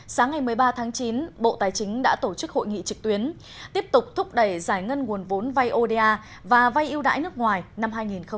sáng ngày một mươi ba tháng chín bộ tài chính đã tổ chức hội nghị trực tuyến tiếp tục thúc đẩy giải ngân nguồn vốn vay oda và vay ưu đãi nước ngoài năm hai nghìn hai mươi